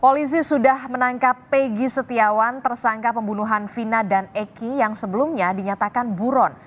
polisi sudah menangkap peggy setiawan tersangka pembunuhan vina dan eki yang sebelumnya dinyatakan buron